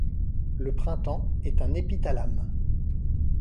Le printemps est un épithalame ;